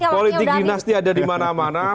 politik dinasti ada di mana mana